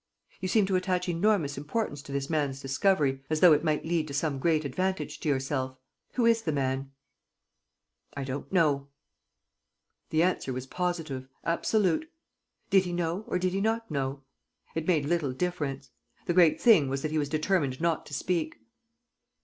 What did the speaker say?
You seem to attach enormous importance to this man's discovery, as though it might lead to some great advantage to yourself. Who is the man?" "I don't know." The answer was positive, absolute. Did he know or did he not know? It made little difference. The great thing was that he was determined not to speak.